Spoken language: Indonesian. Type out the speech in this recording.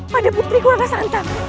pada putriku rara santang